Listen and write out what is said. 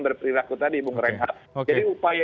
berperilaku tadi bung renhat jadi upaya